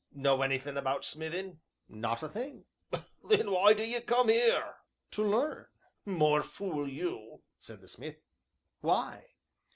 "Know anythin' about smithin'?" "Not a thing." "Then why do 'ee come 'ere?" "To learn." "More fool you!" said the smith. "Why?"